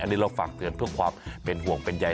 อันนี้เราฝากเตือนเพื่อความเป็นห่วงเป็นใย